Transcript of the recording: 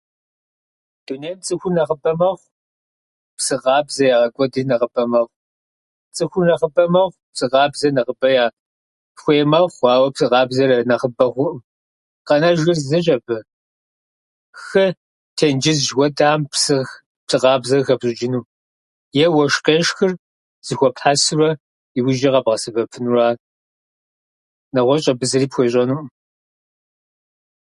Дунейм цӏыхур нэхъыбэ мэхъу, псы къабзэ ягъэкӏуэдри нэхъыбэ мэхъу. Цӏыхур нэхъыбэ мэхъу, псы къабзэ нэхъыбэ я- хуей мэхъу, ауэ псы къабзэр нэхъыбэ хъуӏым. Къэнэжыр зыщ абы. Хы, тенджыз жыхуэтӏэхьэм псы къабзэ къыхэпщӏычӏыну, е уэшх къешхыр зыхуэпхьэсуэ иужьчӏэ къэбгъэсэбэпынура. Нэгъуэщӏ абы зыри пхуещӏэнуӏым.